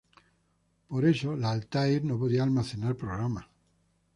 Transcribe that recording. Por eso la Altair no podía almacenar programas.